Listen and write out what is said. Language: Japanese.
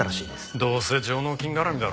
どうせ上納金絡みだろ。